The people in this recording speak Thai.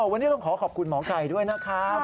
วันนี้ต้องขอขอบคุณหมอไก่ด้วยนะครับ